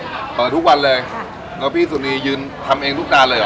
โอเคอบทดมันเรย์อ่ะแล้วพี่สุดนี้สุดทางเย็นยืนทำเองทุกเจ้าเลยเหรอ